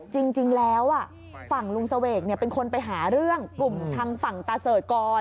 จริงแล้วฝั่งลุงเสวกเป็นคนไปหาเรื่องกลุ่มทางฝั่งตาเสิร์ชก่อน